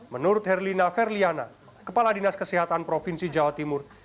menurut herlina ferliana kepala dinas kesehatan provinsi jawa timur